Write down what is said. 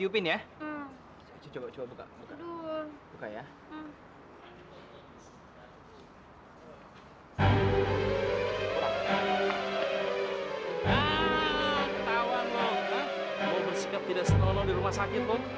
aku ngerasa aku gak pantas deket sama kamu sat